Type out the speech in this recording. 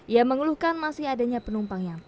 ia mengeluhkan masih adanya penumpang yang